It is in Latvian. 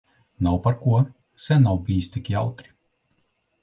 Nav par ko. Sen nav bijis tik jautri.